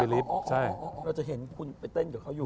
อ๋ออ๋ออ๋อเราจะเห็นคุณไปเต้นกับเขาอยู่